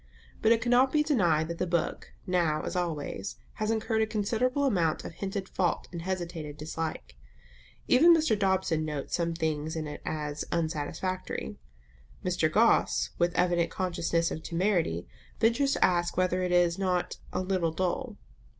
But it cannot be denied that the book, now as always, has incurred a considerable amount of hinted fault and hesitated dislike. Even Mr. Dobson notes some things in it as "unsatisfactory;" Mr. Gosse, with evident consciousness of temerity, ventures to ask whether it is not "a little dull."